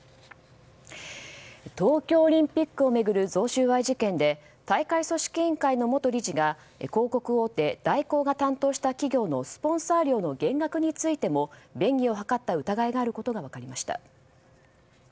東京オリンピックを巡る贈収賄事件で大会組織委員会の元理事が広告大手・大広が担当した企業のスポンサー料の減額についても便宜を図った疑いがあることが分かりました。